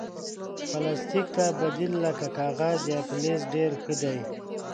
پلاستيک ته بدیل لکه کاغذ یا فلز ډېر ښه دی.